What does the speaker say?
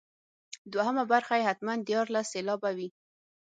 دوهمه برخه یې حتما دیارلس سېلابه وي.